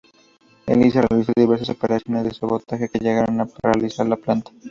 Elisa realizó diversas operaciones de sabotaje que llegaron a paralizar la planta.